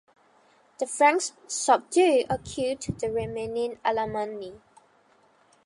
The Franks subdued or killed the remaining Alemanni.